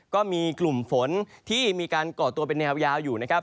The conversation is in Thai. ก็มีกลุ่มฝนที่มีการก่อตัวเป็นแนวยาวอยู่นะครับ